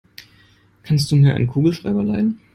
Kannst du mir einen Kugelschreiber leihen?